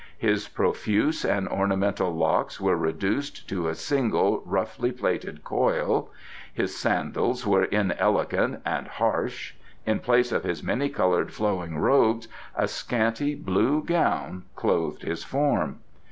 His profuse and ornamental locks were reduced to a single roughly plaited coil; his sandals were inelegant and harsh; in place of his many coloured flowing robes a scanty blue gown clothed his form.